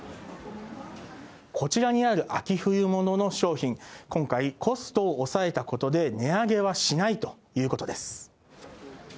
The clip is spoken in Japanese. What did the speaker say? こちらにある秋冬物の商品、今回、コストを抑えたことで値上げはしないということです。